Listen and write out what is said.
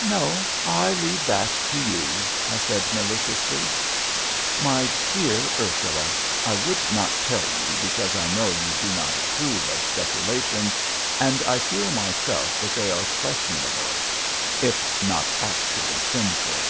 "No, I leave that to you," I said, maliciously. "My dear Ursula, I would not tell you, because I know you do not approve of speculations, and I feel myself that they are questionable, if not actually sinful.